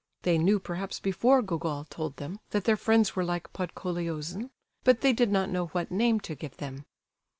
They knew, perhaps, before Gogol told them, that their friends were like Podkoleosin, but they did not know what name to give them.